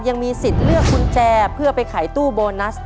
ยังมีสิทธิ์เลือกกุญแจเพื่อไปขายตู้โบนัส